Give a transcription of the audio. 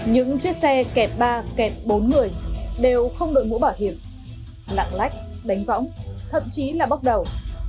những chiếc xe kẹt ba kẹt bốn người đều không đội ngũ bảo hiểm lạc lách đánh võng thậm chí là bóc đầu